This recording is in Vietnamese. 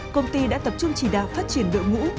công ty đã tập trung chỉ đào phát triển độ ngũ